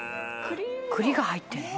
「栗が入ってるの？」